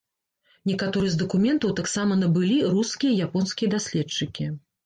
Некаторыя з дакументаў таксама набылі рускія і японскія даследчыкі.